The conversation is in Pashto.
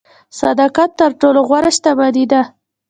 صداقت تر ټولو غوره شتمني ده.